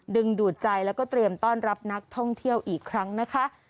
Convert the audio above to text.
ดึงดูดใจแล้วก็เตรียมต้อนรับนักท่องเที่ยวอีกครั้งนะคะ